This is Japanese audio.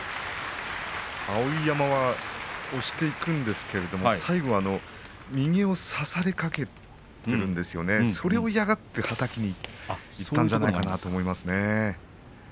碧山、押していくんですが最後右を差されかけてそれを嫌がってはたきにいったんじゃないかと思います。